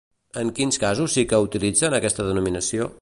En quins casos sí que utilitzen aquesta denominació?